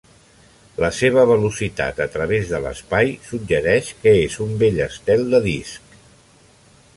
La seva velocitat a través de l'espai suggereix que és un vell estel de disc.